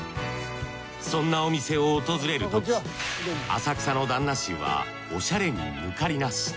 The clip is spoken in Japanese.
そんなお店を訪れるとき浅草の旦那衆はオシャレに抜かりなし。